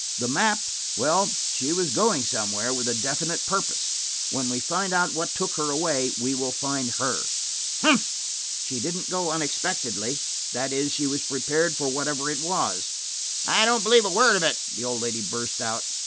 The map–well, she was going somewhere, with a definite purpose. When we find out what took her away, we will find her." "Humph!" "She didn't go unexpectedly–that is, she was prepared for whatever it was." "I don't believe a word of it," the old lady burst out.